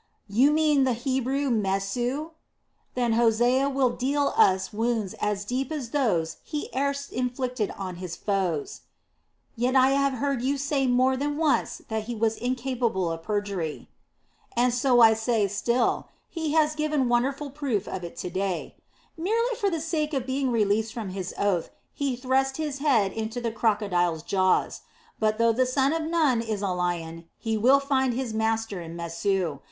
"You mean the Hebrew, Mesu?" "Then Hosea will deal us wounds as deep as those he erst inflicted on our foes." "Yet I have heard you say more than once that he was incapable of perjury." "And so I say still, he has given wonderful proof of it to day. Merely for the sake of being released from his oath, he thrust his head into the crocodile's jaws. But though the son of Nun is a lion, he will find his master in Mesu.